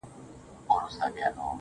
دا ده کوچي ځوانيمرگې نجلۍ تول دی.